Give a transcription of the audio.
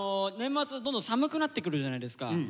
年末どんどん寒くなってくるじゃないですか。